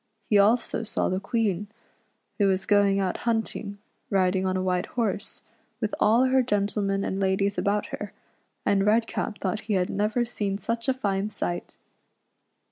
He also saw the Queen, who was going out hunt ing, riding on a white horse, with all her gentlemen and ladies about her, and Redcap thought he had never seen such a fine sight.